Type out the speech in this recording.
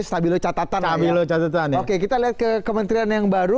stabilo catatan habis lo catetan oke kita lihat ke kementerian yang baru